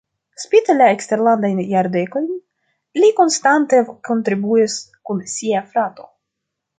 Spite la eksterlandajn jardekojn li konstante kontribuis kun sia frato.